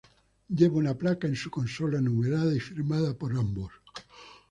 Lleva una placa en su consola numerada y firmada por ambos.